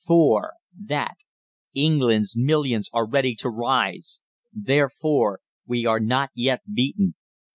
(4) That ENGLAND'S MILLIONS ARE READY TO RISE! Therefore WE ARE NOT YET BEATEN!